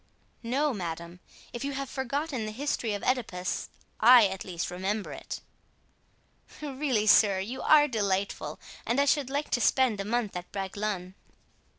"No, madame; if you have forgotten the history of Oedipus, I, at least, remember it." "Really, sir, you are delightful, and I should like to spend a month at Bragelonne."